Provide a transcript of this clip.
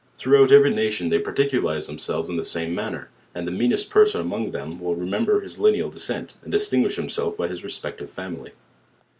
Through out every nation they particuiize themselves in the same manner; and the meanest person among them will remem ber his lineal descent, and distinguish himself by his respec tive family.